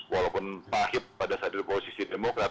walaupun pahit pada saat di posisi demokrat